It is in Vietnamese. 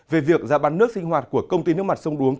về việc giá bán nước sinh hoạt của công ty nước mặt sông đuống